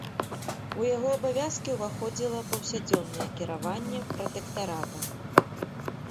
У яго абавязкі ўваходзіла паўсядзённае кіраванне пратэктаратам.